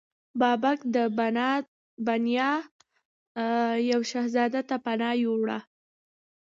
بابک د البانیا یو شهزاده ته پناه یووړه.